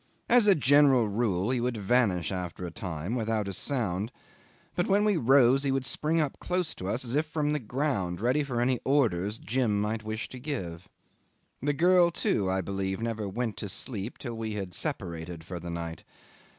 As a general rule he would vanish after a time, without a sound; but when we rose he would spring up close to us as if from the ground, ready for any orders Jim might wish to give. The girl too, I believe, never went to sleep till we had separated for the night.